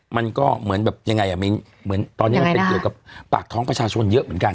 มันก็ยังไงอ่ะมิ้นตอนนี้มันเป็นเกิดกับปากท้องประชาชนเยอะเหมือนกัน